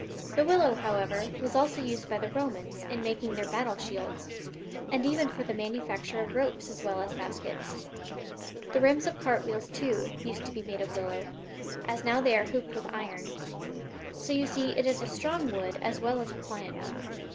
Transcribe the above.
The willow, however, was also used by the Romans in making their battle shields, and even for the manufacture of ropes as well as baskets. The rims of cart wheels, too, used to be made of willow, as now they are hooped with iron; so, you see, it is a strong wood as well as a pliant one.